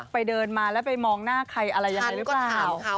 ไปเดินมาแล้วไปมองหน้าใครอะไรยังไงหรือเปล่า